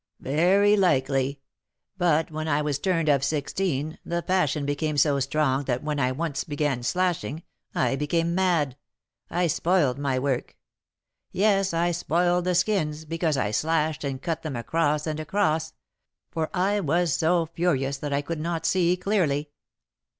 "Very likely; but when I was turned of sixteen, the passion became so strong that when I once began slashing, I became mad; I spoiled my work; yes, I spoiled the skins, because I slashed and cut them across and across; for I was so furious that I could not see clearly.